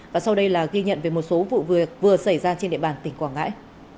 và sau đây là ghi nhận về một số vụ vừa xảy ra trên địa bàn tỉnh quảng ngãi